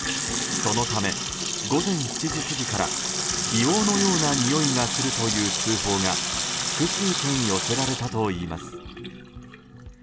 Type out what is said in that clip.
そのため、午前７時過ぎから硫黄のようなにおいがするという通報が複数件、寄せられたといいます。